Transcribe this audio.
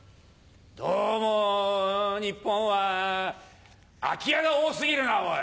どうも日本は空き家が多過ぎるなおい！